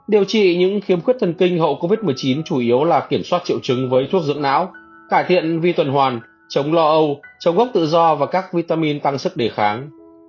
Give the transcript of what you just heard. điều trị những khiếm khuyết thần kinh hậu covid một mươi chín chủ yếu là kiểm soát triệu chứng với thuốc dưỡng não cải thiện vi tuần hoàn chống lo âu chống gốc tự do và các vitamin tăng sức đề kháng